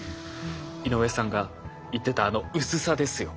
井上さんが言ってたあの薄さですよ。